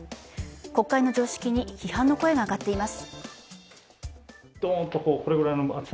国会の常識に批判の声が上がっています。